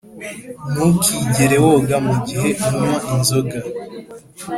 ntukigere woga mugihe unywa inzoga.